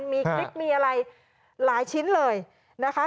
มีคลิปมีอะไรหลายชิ้นเลยนะคะ